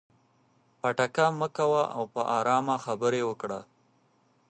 پټکه مه کوه او په ارامه خبرې وکړه.